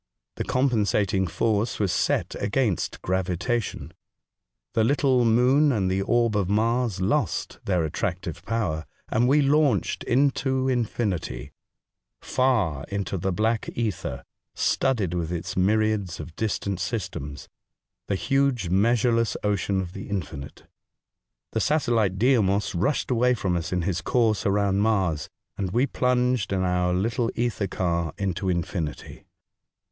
The compensating force was set against gravitation. The little moon and the orb of Mars lost their attractive power, and we launched into in finity — far into the black ether, studded with its myriads of distant systems — the huge measureless ocean of the infinite. The satellite Deimos rushed away from us in his course around Mars, and we plunged in our little ether car into infinity.